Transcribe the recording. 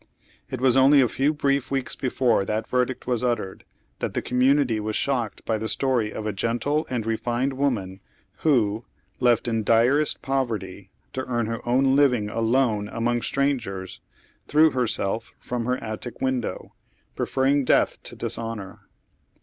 It was only a few brief weeks before that verdict was ut tered, that the community was shocked by the story of a gentle and refined woman who, left in direst poverty to earn her own living alone among strangers, threw herself from her attic window, preferring death to disbonor.